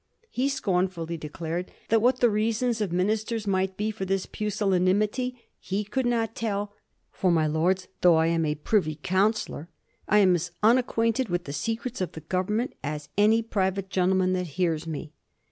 He scornful ly declared that what the reasons of ministers might be for this pusillanimity he could not tell, " for, ray Lords, though I am a privy councillor I am as unacquainted with the secrets of the Government as any private gentle man that hears me."